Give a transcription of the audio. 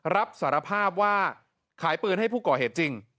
รับสารภาพว่าขายปืนให้ผู้ก่อเหตุจริง